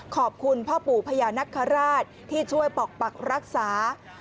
ขอบคุณพ่อปู่พญานคราชที่ช่วยปกปักรักษา